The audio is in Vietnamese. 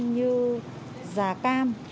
như giả cam